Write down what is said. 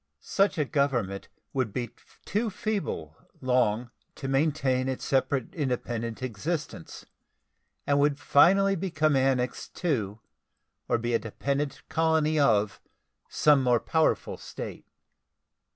Such a government would be too feeble long to maintain its separate independent existence, and would finally become annexed to or be a dependent colony of some more powerful state.